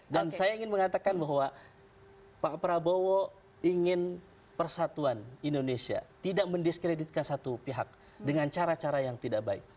dan saya ingin mengatakan bahwa pak prabowo ingin persatuan indonesia tidak mendiskreditkan satu pihak dengan cara cara yang tidak baik